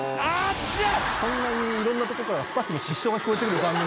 こんなにいろんなとこからスタッフの失笑が聞こえてくる番組。